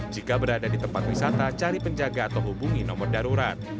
jika berada di tempat wisata cari penjaga atau hubungi nomor darurat